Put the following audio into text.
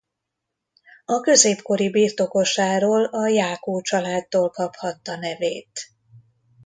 A középkori birtokosáról a Jákó családtól kaphatta nevét.